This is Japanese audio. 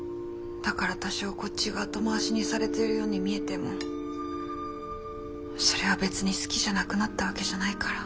だから多少こっちが後回しにされてるように見えてもそれは別に好きじゃなくなったわけじゃないから。